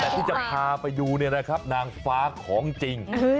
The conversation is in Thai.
ที่จะพาไปดูนะครับนางฟ้าของจะจริง